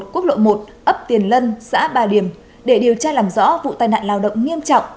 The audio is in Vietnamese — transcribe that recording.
quốc lộ một ấp tiền lân xã ba điểm để điều tra làm rõ vụ tai nạn lao động nghiêm trọng